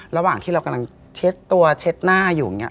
ระหว่างที่เรากำลังเช็ดตัวเช็ดหน้าอยู่อย่างนี้